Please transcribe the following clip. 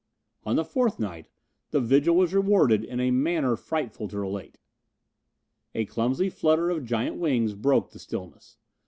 On the fourth night the vigil was rewarded in a manner frightful to relate. A clumsy flutter of giant wings broke the stillness.